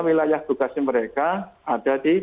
wilayah tugasnya mereka ada di